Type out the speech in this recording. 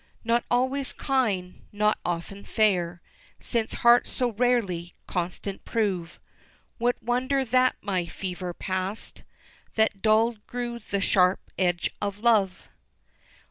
Not always kind, not often fair, Since hearts so rarely constant prove What wonder that my fervor passed, That dulled grew the sharp edge of love?